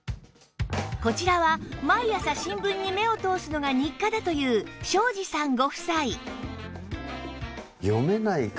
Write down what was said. こちらは毎朝新聞に目を通すのが日課だという庄子さんご夫妻